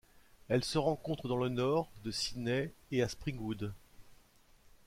Elle se rencontre dans le Nord de Sydney et à Springwood.